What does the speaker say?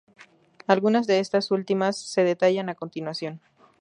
Algunas de estas últimas se detallan a continuación.